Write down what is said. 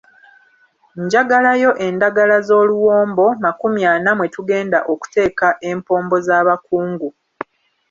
Njagalayo endagala z'oluwombo makumi ana mwe tugenda okuteeka empombo z'abakungu.